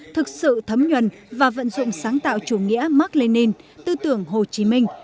thực sự thấm nhuần và vận dụng sáng tạo chủ nghĩa mark lenin tư tưởng hồ chí minh